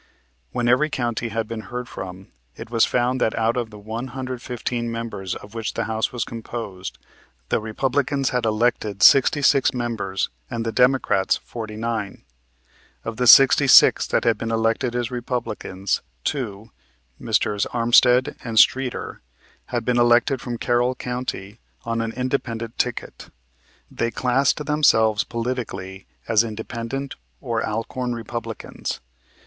When every county had been heard from it was found that out of the one hundred fifteen members of which the House was composed, the Republicans had elected sixty six members and the Democrats, forty nine. Of the sixty six that had been elected as Republicans, two, Messrs. Armstead and Streeter, had been elected from Carroll County on an independent ticket. They classed themselves politically as Independent or Alcorn Republicans.